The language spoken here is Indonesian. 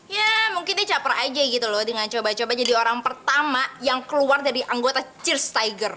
ya mungkin dia caper aja gitu loh dengan coba coba jadi orang pertama yang keluar dari anggota cheers tiger